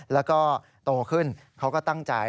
แล้วก็โตขึ้นเขาก็ตั้งใจ